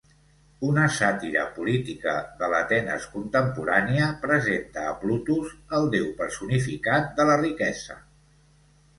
Una sàtira política de l'Atenes contemporània, presenta a Plutus, el déu personificat de la riquesa.